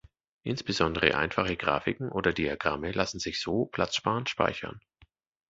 Insbesondere einfache Grafiken oder Diagramme lassen sich so platzsparend speichern.